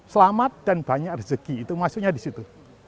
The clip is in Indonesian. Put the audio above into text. selamat dan banyak rezeki itu maksudnya di situ